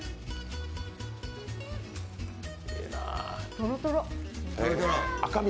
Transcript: とろとろ。